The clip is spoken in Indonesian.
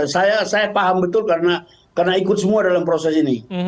saya paham betul karena ikut semua dalam proses ini